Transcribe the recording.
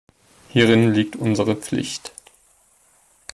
Hierin liegt unsere Pflicht.